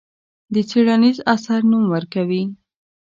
د څېړنیز اثر نوم ورکوي.